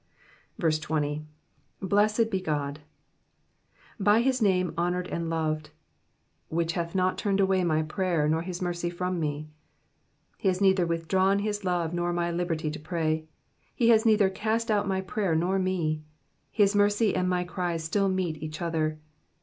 20. *'*■ Blessed he Qod,"*^ Be his name honoured and loved. ^' Which hath not turned away my prayer, nor his m^rey from wtf." He has neither withdrawn his love nor my liberty to pray. He has neither cast out my prayer nor mo. His mercy and my cries still meet each other.